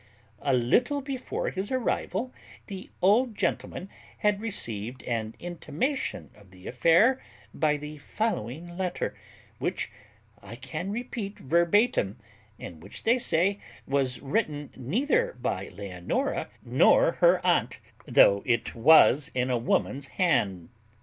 A little before his arrival the old gentleman had received an intimation of the affair by the following letter, which I can repeat verbatim, and which, they say, was written neither by Leonora nor her aunt, though it was in a woman's hand.